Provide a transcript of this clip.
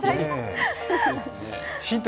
ヒント